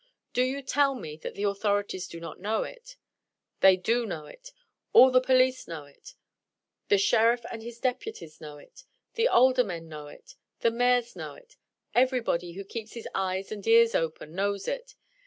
Do you tell me that the authorities do not know it? They do know it. All the police know it. The sheriff and his deputies know it. The aldermen know it. The mayors know it. Everybody who keeps his eyes and ears open knows it.